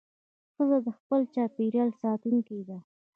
ښځه د خپل چاپېریال ساتونکې ده.